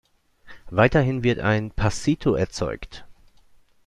Weiterhin wird ein „Passito“ erzeugt.